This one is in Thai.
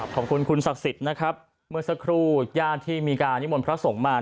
ขอบคุณคุณศักดิ์สิทธิ์นะครับเมื่อสักครู่ญาติที่มีการนิมนต์พระสงฆ์มา